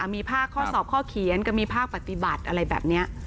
มีภาคข้อสอบข้อเขียนก็มีภาคปฏิบัติอะไรแบบนี้